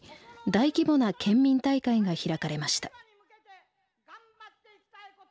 大規模な県民大会が開かれました。